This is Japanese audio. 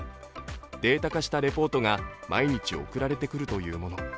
データ化したレポートが毎日送られてくるというもの。